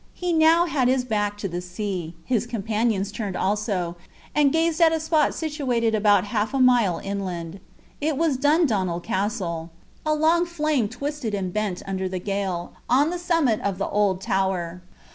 He now had his back to the sea. His companions turned also, and gazed at a spot situated about half a mile inland. It was Dundonald Castle. A long flame twisted and bent under the gale, on the summit of the old tower.